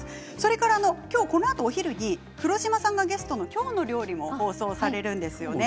それからこのあとお昼に黒島さんがゲストの「きょうの料理」も放送されます。